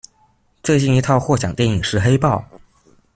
最近一套获奖电影是《黑豹》。